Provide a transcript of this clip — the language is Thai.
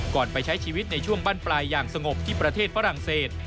ไปใช้ชีวิตในช่วงบ้านปลายอย่างสงบที่ประเทศฝรั่งเศส